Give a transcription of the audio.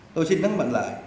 tôi xin thắng mạnh lại